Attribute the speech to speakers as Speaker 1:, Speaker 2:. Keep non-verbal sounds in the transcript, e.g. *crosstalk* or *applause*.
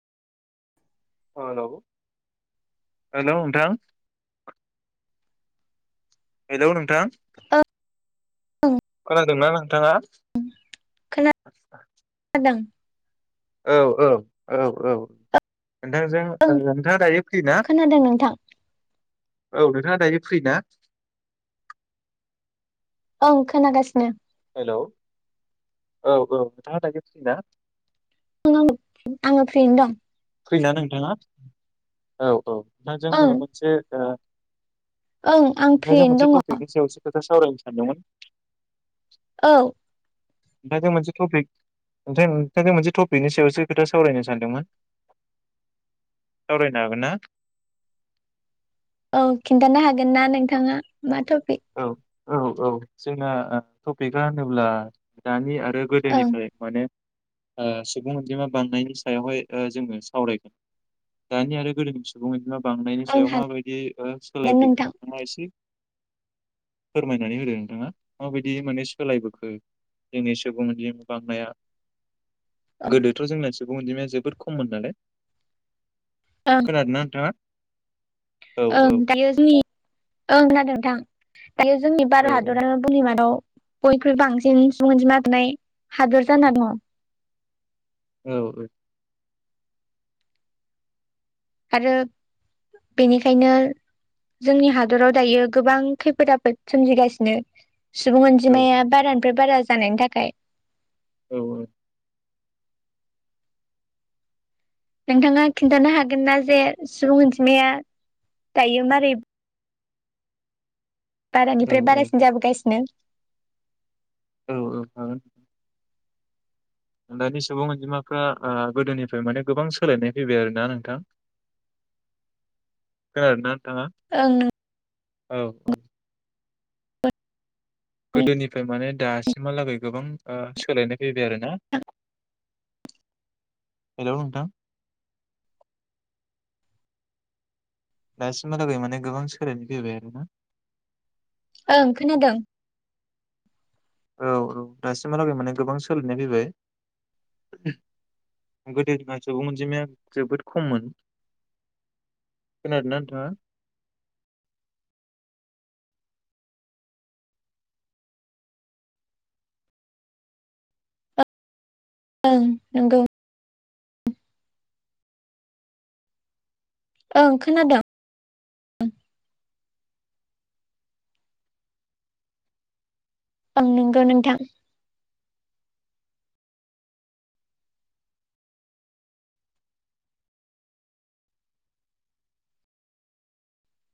Speaker 1: Hello hello नोंथां hello नोंथां
Speaker 2: ओं
Speaker 1: खोनादोंना नोंथाङा
Speaker 2: खोनादों
Speaker 1: औ औ औ औ नोंथांजों
Speaker 2: ओं
Speaker 1: नोंथाङा दायो फ्रि ना?
Speaker 2: खोनादों नोंथां
Speaker 1: *inaudible* औ नोंथाङा दायो फ्रि ना? *inaudible*
Speaker 2: ओं खोनागासिनो
Speaker 1: हेलौ औ औ नोंथाङा दायो फ्रि ना?
Speaker 2: औ आंङो फ्रियैनो दं।
Speaker 1: फ्रिना नोंथाङा औ औ दा
Speaker 2: ओं
Speaker 1: जोंङो मोनसे ओ
Speaker 2: ओं आं फ्रिनो दङ
Speaker 1: आव सावरायनो सानदोंमोन
Speaker 2: औ
Speaker 1: ओथायथ' मोनसे टपिक नोंथां मोनसे टपिकनि सायावसो खोथा सावरायनो सानदोंमोन सावरायनो हागोन ना?
Speaker 2: औ खिन्थानो हागोन ना नोंथाङा मा थ'फिक?
Speaker 1: औ औ औ जोंना टपिकआ होनोब्ला दानि आरो
Speaker 2: ओं
Speaker 1: गोदोनिफ्राय माने सुबुं अनजिमा बांनायनि सायावहाय जोंङो सावरायगोन दानि आरो गोदोनि सुबुं अनजिमा बांनायनि
Speaker 2: ओं
Speaker 1: सायाव माबायदि
Speaker 2: हागोन
Speaker 1: सोलायबोयो
Speaker 2: नोंथां
Speaker 1: नोंथाङा एसे फोरमायनानै होदों नोंथाङा माबायदि माने सोलायबोखो जोंनि सुबुंनि बांनाया
Speaker 2: ओं
Speaker 1: गोदोथ' जोंनासो सुबुं अनजिमाया जोबोद खममोन नालाय
Speaker 2: ओं
Speaker 1: खोनादोंना नोंथाङा? औ
Speaker 2: ओं दायो जोंनि ओं खोनादों। *unintelligible* दायो जोंनि
Speaker 1: औ
Speaker 2: भारत हादरानो भुमनि मादाव बयख्रुइ बांसिन सुबुं अन्जिमा थानाय हादोर जाना दङ।
Speaker 1: औ औ
Speaker 2: आरो बेनिखायनो जोंनि हादराव दायो गोबां खैफोद आफोद सोमजिगासिनो सुबुं
Speaker 1: औ
Speaker 2: अनजिमाया बारानिफ्राय बारा जानायनि थाखाय।
Speaker 1: औ औ
Speaker 2: नोंथाङा खिन्थानो हागोनना जे सुबुं अनजिमाया दायो मारै बारानिफ्राय
Speaker 1: औ
Speaker 2: बारासिन जाबोगासिनो
Speaker 1: औ औ हागोन दानि सुबुं अनजिमाफ्रा ओ गोदोनिफ्राय माने गोबां सोलायनाय फैबाय आरोना नोंथां खोनादों ना?
Speaker 2: ओं *unintelligible*
Speaker 1: औ औ गोदोनिफ्राय माने दासिमहालागै गोबां ओ सोलायनाय फैबाय आरोना हेलौ नोंथां। दासिमहालागै माने गोबां सोलायनाय फैबाय आरोना
Speaker 2: ओं खोनादों।
Speaker 1: औ औ दासिमहालागै माने गोबां सोलायनाय फैबाय गोदोना सुबुं अनजिमाया जोबोद खममोन खोनादोंना नोंथाङा?
Speaker 2: ओं नोंगौ ओं खोनादों। औं नोंगौ नोंथां